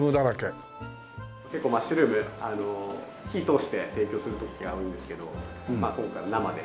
結構マッシュルーム火通して提供する時が多いんですけど今回は生で。